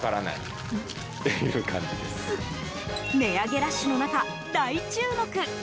値上げラッシュの中、大注目。